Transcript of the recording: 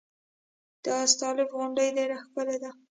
د استالف غونډۍ ډیره ښکلې ده